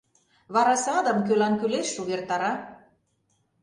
Вара садым, кӧлан кӱлеш, увертара.